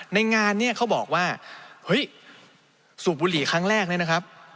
ในงานเขาบอกว่าสูบบุหรี่ครั้งแรกนะครับ